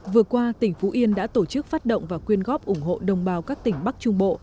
vừa qua tỉnh phú yên đã tổ chức phát động và quyên góp ủng hộ đồng bào các tỉnh bắc trung bộ